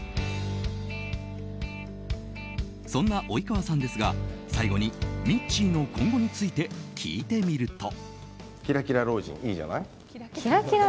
そんな及川さんですが最後にミッチーの今後について聞いてみると。